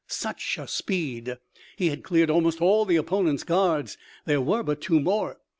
Such a speed! He had cleared almost all the opponents' guards there were but two more.